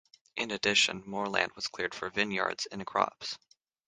In addition, more land was cleared for vineyards and crops.